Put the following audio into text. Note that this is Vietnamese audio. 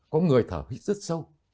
có người thở hít rất sâu